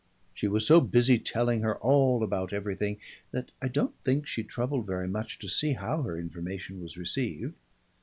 She was so busy telling her all about everything that I don't think she troubled very much to see how her information was received.